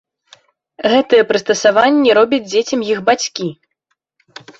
Гэтыя прыстасаванні робяць дзецям іх бацькі!